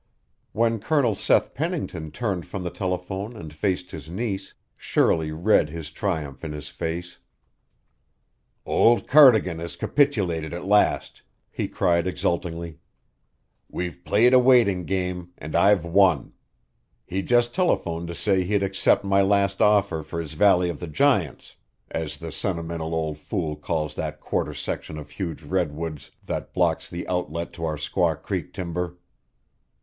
When Colonel Seth Pennington turned from the telephone and faced his niece, Shirley read his triumph in his face. "Old Cardigan has capitulated at last," he cried exultingly. "We've played a waiting game and I've won; he just telephoned to say he'd accept my last offer for his Valley of the Giants, as the sentimental old fool calls that quarter section of huge redwoods that blocks the outlet to our Squaw Creek timber."